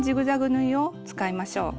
縫いを使いましょう。